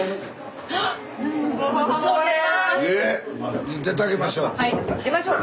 えっ⁉出てあげましょう。